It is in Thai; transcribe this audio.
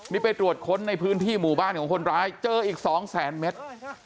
นี่ไปตรวจค้นในพื้นที่หมู่บ้านของคนร้ายเจออีก๒แสนเมตร